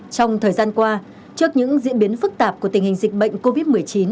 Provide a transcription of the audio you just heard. trong thời gian qua trước những diễn biến phức tạp của tình hình dịch bệnh covid một mươi chín